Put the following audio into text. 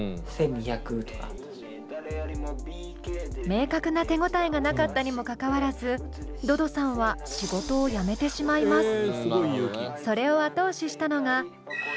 明確な手応えがなかったにもかかわらずｄｏｄｏさんは仕事を辞めてしまいます。